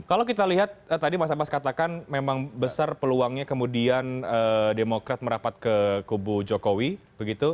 kalau kita lihat tadi mas abbas katakan memang besar peluangnya kemudian demokrat merapat ke kubu jokowi begitu